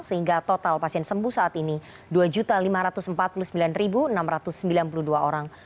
sehingga total pasien sembuh saat ini dua lima ratus empat puluh sembilan enam ratus sembilan puluh dua orang